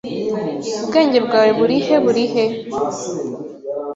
Ubwenge bwawe burihe burihe?